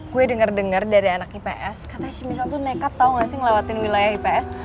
gue denger denger dari anak ips katanya semisal tuh nekat tahu nggak sih ngelewatin wilayah ips